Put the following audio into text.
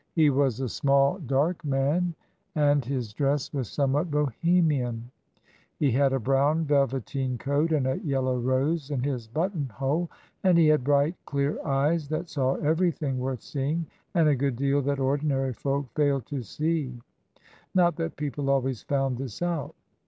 He was a small, dark man, and his dress was somewhat Bohemian; he had a brown velveteen coat, and a yellow rose in his buttonhole, and he had bright, clear eyes, that saw everything worth seeing, and a good deal that ordinary folk failed to see not that people always found this out.